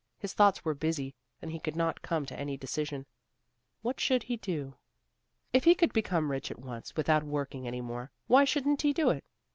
His thoughts were busy and he could not come to any decision. What should he do? If he could become rich at once, without working any more, why shouldn't he do it?